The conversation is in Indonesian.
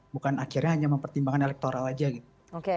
bukan akhirnya hanya mempertimbangkan elektoral aja gitu